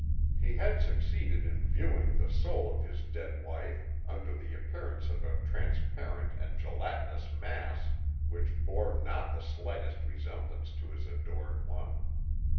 He had succeeded in viewing the soul of his dead wife under the appearance of a transparent and gelatinous mass which bore not the slightest resemblance to his adored one.